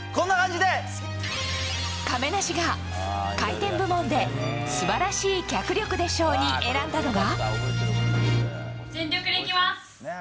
亀梨が回転部門で「素晴らしい脚力で賞」に選んだのが。